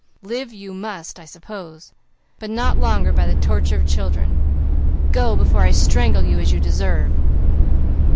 Live you must, I suppose, but not longer by the torture of children. Go, before I strangle you as you deserve!"